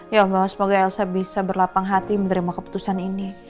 ya allah semoga elsa bisa berlapang hati menerima keputusan ini